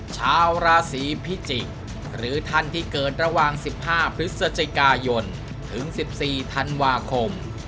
ชาวราศีพิจิกษ์หรือท่านที่เกิดระหว่าง๑๕พฤศจิกายนถึง๑๔ธันวาคม